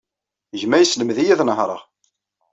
Gma yesselmed-iyi ad nehṛeɣ.